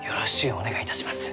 お願いいたします。